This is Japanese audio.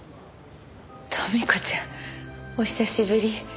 豊美子ちゃんお久しぶり。